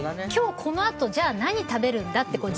今日このあと何食べるんだ？って